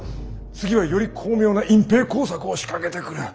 次はより巧妙な隠蔽工作を仕掛けてくる。